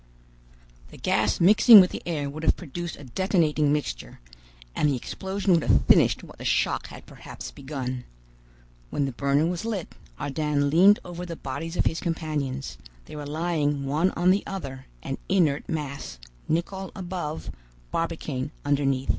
The gas mixing with the air would have produced a detonating mixture, and the explosion would have finished what the shock had perhaps begun. When the burner was lit, Ardan leaned over the bodies of his companions: they were lying one on the other, an inert mass, Nicholl above, Barbicane underneath.